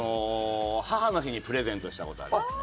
母の日にプレゼントした事ありますね。